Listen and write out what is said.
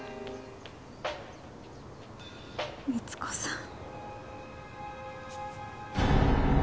三津子さん。